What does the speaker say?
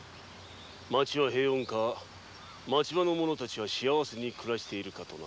町は平穏か町の者たちは幸せに暮らしているかとな。